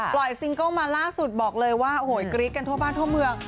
ซิงเกิ้ลมาล่าสุดบอกเลยว่าโอ้โหกรี๊ดกันทั่วบ้านทั่วเมือง